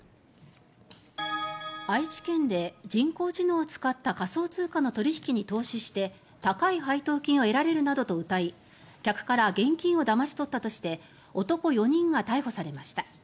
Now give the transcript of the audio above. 愛知県で人工知能を使った仮想通貨の取引に投資して高い配当金を得られるなどとうたい客から現金をだまし取ったとして男４人が逮捕されました。